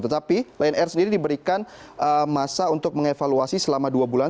tetapi lion air sendiri diberikan masa untuk mengevaluasi selama dua bulan